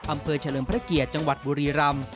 อำเภอเฉลิมพระเกียจจังหวัดบุรีรำ